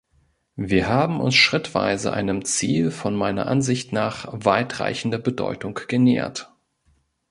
Wir haben uns schrittweise einem Ziel von meiner Ansicht nach weitreichender Bedeutung genähert.